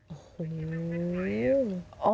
โอ้โห